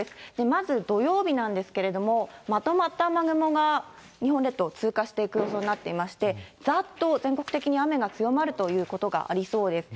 まず土曜日なんですけれども、まとまった雨雲が日本列島を通過していく予想になっていまして、ざーっと全国的に雨が強まるということがありそうです。